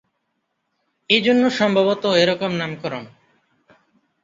এজন্য সম্ভবত এরকম নামকরণ।